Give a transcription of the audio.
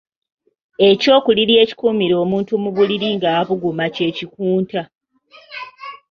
Ekyokuliri ekikuumira omuntu mu buliri nga abuguma kye kikunta.